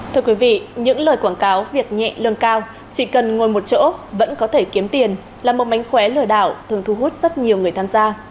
thưa quý vị những lời quảng cáo việc nhẹ lương cao chỉ cần ngồi một chỗ vẫn có thể kiếm tiền là một mánh khóe lừa đảo thường thu hút rất nhiều người tham gia